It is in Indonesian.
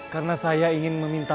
karena saya ingin meminta